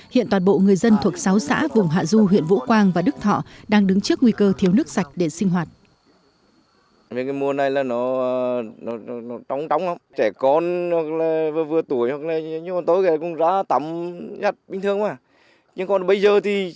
hiện toàn bộ người dân thuộc sáu xã vùng hạ du huyện vũ quang và đức thọ đang đứng trước nguy cơ thiếu nước sạch để sinh hoạt